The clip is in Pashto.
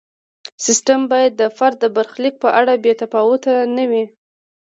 سیستم باید د فرد د برخلیک په اړه بې تفاوت نه وي.